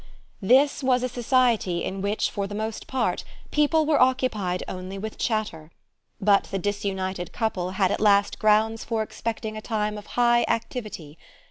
This was a society in which for the most part people were occupied only with chatter, but the disunited couple had at last grounds for expecting a time of high activity.